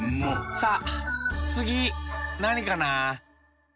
さあつぎなにかな？